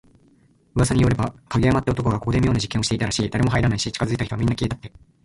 噂によれば、影山って男がここで妙な実験をしてたらしい。誰も入らないし、近づいた人はみんな…消えたって。